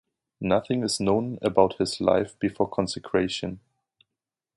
Nothing is known about his life before consecration.